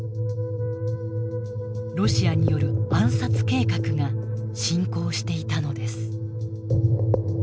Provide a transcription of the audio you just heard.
ロシアによる暗殺計画が進行していたのです。